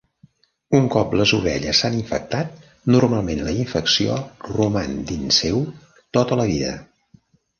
Un cop les ovelles s'han infectat, normalment la infecció roman dins seu tota la vida.